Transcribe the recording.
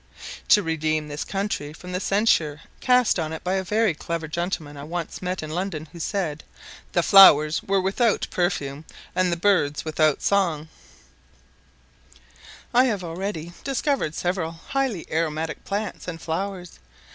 To redeem this country from the censure cast on it by a very clever gentleman I once met in London, who said, "the flowers were without perfume, and the birds without song," I have already discovered several highly aromatic plants and flowers.